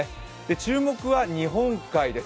注目は日本海です。